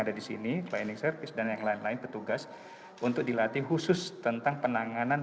ada di sini clining service dan yang lain lain petugas untuk dilatih khusus tentang penanganan